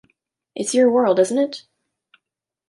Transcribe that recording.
It's your world, isn't it?